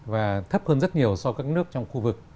và thấp hơn rất nhiều so với các nước trong khu vực